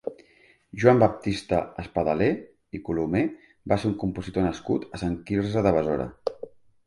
Joan Baptista Espadaler i Colomer va ser un compositor nascut a Sant Quirze de Besora.